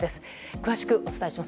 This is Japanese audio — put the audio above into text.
詳しくお伝えします。